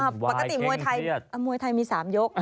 ปกติมวยไทยมี๓ยก